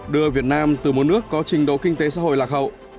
đưa việt nam từ một nước có trình độ kinh tế xã hội lạc hậu